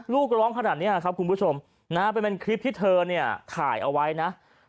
ลูกร้องขนาดนี้ครับคุณผู้ชมนะเป็นคลิปที่เธอเนี่ยถ่ายเอาไว้นะ